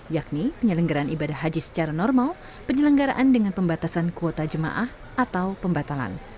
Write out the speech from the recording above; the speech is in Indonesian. yakni penyelenggaran ibadah haji secara normal penyelenggaraan dengan pembatasan kuota jemaah atau pembatalan